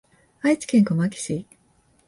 愛知県小牧市